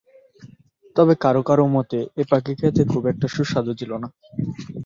তবে কারও কারও মতে এ পাখি খেতে খুব একটা সুস্বাদু ছিল না।